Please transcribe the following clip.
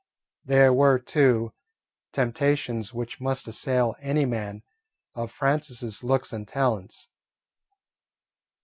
There were, too, temptations which must assail any man of Francis's looks and talents.